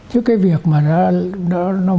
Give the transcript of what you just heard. chứ cái việc mà nó